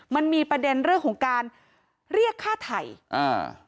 มันมีประเด็นเรื่องของการเรียกฆ่าไทยอ่า